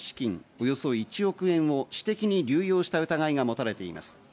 およそ１億円を私的に流用した疑いが持たれています。